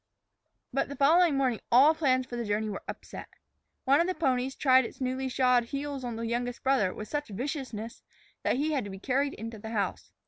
But the following morning all plans for the journey were upset. One of the ponies tried its newly shod heels on the youngest brother with such viciousness that he had to be carried into the house.